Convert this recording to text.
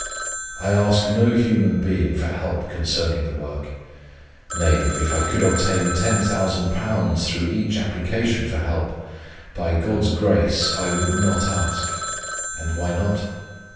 I ask no human being for help concerning the work. Nay, if I could obtain £10,000 through each application for help; by God's grace, I would not ask. And why not?